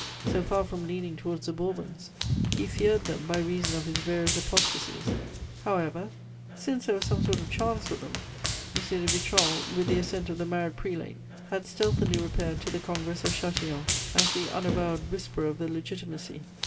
So far from leaning towards the Bourbons, he feared them by reason of his various apostacies. However, since there was some sort of chance for them, M. de Vitrolles, with the assent of the married prelate, had stealthily repaired to the Congress of Châtillon, as the unavowed whisperer of the Legitimacy.